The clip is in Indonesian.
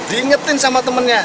diingetin sama temennya